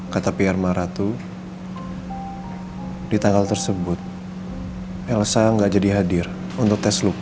kata pr maharatu di tanggal tersebut elsa gak jadi hadir untuk tes look up